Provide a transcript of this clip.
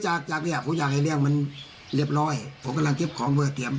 จากจากเนี้ยผมอยากให้เรื่องมันเรียบร้อยผมกำลังเก็บของเบอร์เตรียม